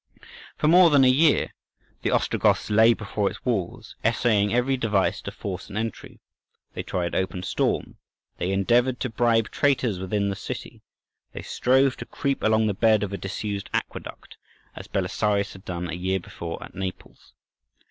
For more than a year the Ostrogoths lay before its walls, essaying every device to force an entry. They tried open storm; they endeavoured to bribe traitors within the city; they strove to creep along the bed of a disused aqueduct, as Belisarius had done a year before at Naples.